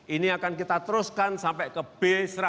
ini akan kita teruskan sampai ke b seratus